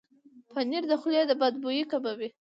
پنېر د خولې د بد بوي کموي.